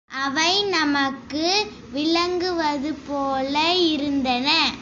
அவை நமக்கு விளங்குவதுபோல இருந்தன.